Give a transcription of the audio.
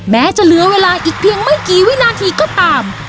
แม้จะเหลือเวลาอีกเพียงไม่กี่วินาทีก็ตาม